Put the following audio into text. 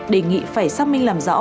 đề nghị phải xác minh làm rõ